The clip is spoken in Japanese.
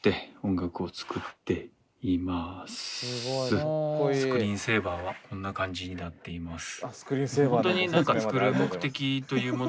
えっとこのスクリーンセーバーはこんな感じになっています。